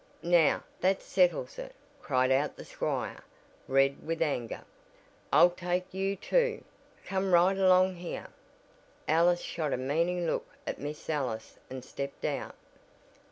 "Now, that settles it," cried out the squire, red with anger. "I'll take you, too. Come right along here!" Alice shot a meaning look at Miss Ellis and stepped out.